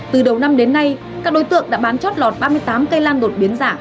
từ đầu năm đến nay các đối tượng đã bán chót lọt ba mươi tám cây lan đột biến giả